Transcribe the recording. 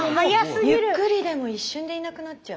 ゆっくりでも一瞬でいなくなっちゃう。